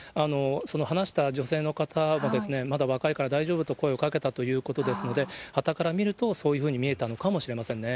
その話した女性の方は、まだ若いから大丈夫と声をかけたということですので、はたから見ると、そういうふうに見えたのかもしれませんね。